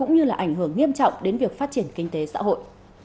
nghiêm trọng đến việc phát triển kinh tế xã hội